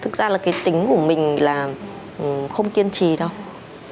thực ra là cái tính của mình là không kiên trì đâu